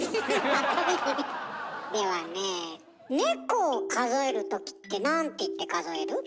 ではねえネコを数える時って何って言って数える？